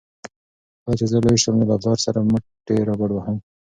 کله چې زه لوی شم نو له پلار سره به مټې رابډوهم.